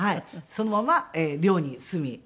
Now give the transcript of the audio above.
そのまま寮に住み。